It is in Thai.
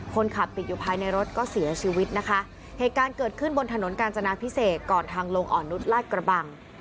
คนขับติดอยู่ภายในรถก็เสียชีวิตนะคะเหตุการณ์เกิดขึ้นบนถนนกาญจนาพิเศษก่อนทางลงอ่อนนุษย์ลาดกระบัง